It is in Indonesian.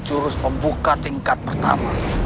jurus pembuka tingkat pertama